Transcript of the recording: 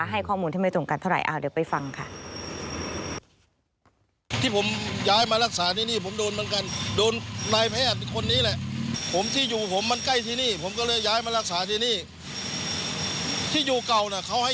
ให้ข้อมูลที่ไม่ตรงกันเท่าไหร่เดี๋ยวไปฟังค่ะ